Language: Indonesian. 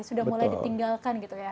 sudah mulai ditinggalkan